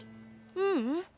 ううん。